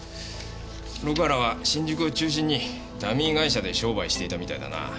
六原は新宿を中心にダミー会社で商売していたみたいだな。